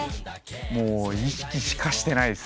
もう意識しかしてないですね。